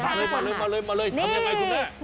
มาเลยทำอย่างไรคุณแม่